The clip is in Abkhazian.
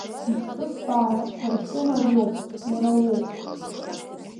Изхысҳәаауа, сара стәы мариоуп, уара уоуп.